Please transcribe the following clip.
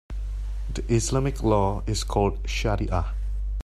The Islamic law is called shariah.